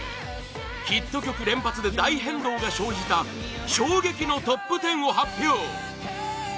ヒット曲連発で大変動が生じた衝撃のトップ１０を発表！